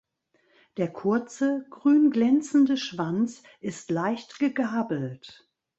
Der kurze, grün glänzende Schwanz ist leicht gegabelt.